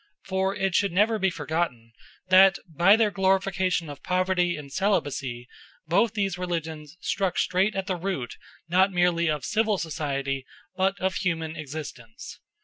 For it should never be forgotten that by their glorification of poverty and celibacy both these religions struck straight at the root not merely of civil society but of human existence.